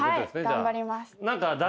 頑張ります。